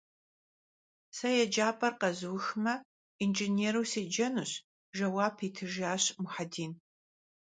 Se yêcap'er khezuxme, yinjjênêru sêcenuş, - jjeuap yitıjjaş Muhedin.